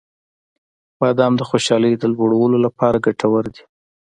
• بادام د خوشحالۍ د لوړولو لپاره ګټور دی.